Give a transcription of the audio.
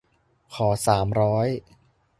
ขอสามร้อย